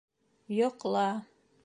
Йоҡла...